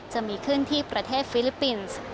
จะมีขึ้นที่ประเทศฟิลิปปินส์